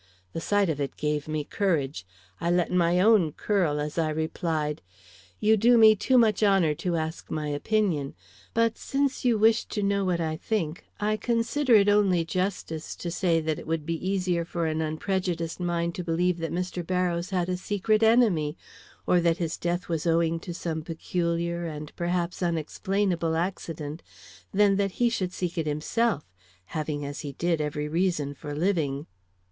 The sight of it gave me courage. I let my own curl as I replied: "You do me too much honor to ask my opinion. But since you wish to know what I think, I consider it only justice to say that it would be easier for an unprejudiced mind to believe that Mr. Barrows had a secret enemy, or that his death was owing to some peculiar and perhaps unexplainable accident, than that he should seek it himself, having, as he did, every reason for living."